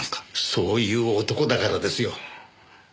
そういう男だからですよ。